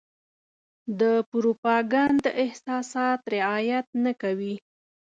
د پروپاګنډ اساسات رعايت نه کوي.